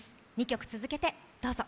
２曲続けてどうぞ。